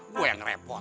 gue yang repot